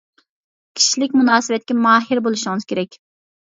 كىشىلىك مۇناسىۋەتكە ماھىر بولۇشىڭىز كېرەك.